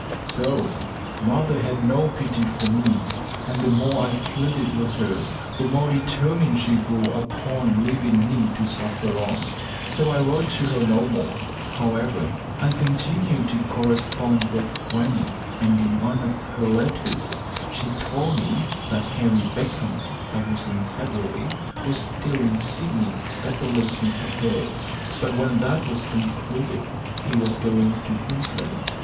So! Mother had no pity for me, and the more I pleaded with her the more determined she grew upon leaving me to suffer on, so I wrote to her no more. However, I continued to correspond with grannie, and in one of her letters she told me that Harry Beecham (that was in February) was still in Sydney settling his affairs; but when that was concluded he was going to Queensland.